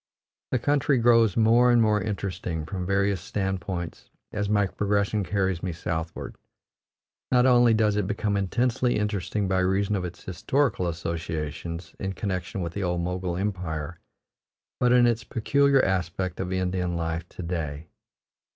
The country grows more and more interesting from various standpoints as my progression carries me southward. Not only does it become intensely interesting by reason of its historical associations in connection with the old Mogul Empire, but in its peculiar aspect of Indian life to day.